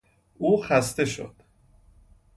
او خسته شد.